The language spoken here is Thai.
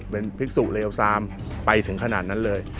เป็นภิกษุเลวซามไปถึงขนาดนั้นเลย